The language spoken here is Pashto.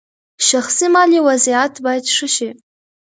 شخصي مالي وضعیت باید ښه شي.